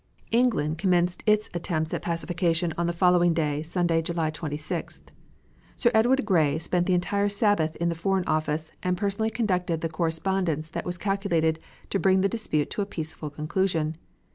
England commenced its attempts at pacification on the following day, Sunday, July 26th. Sir Edward Grey spent the entire Sabbath in the Foreign Office and personally conducted the correspondence that was calculated to bring the dispute to a peaceful conclusion.